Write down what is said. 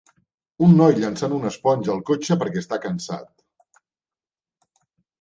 un noi llançant una esponja al cotxe perquè està cansat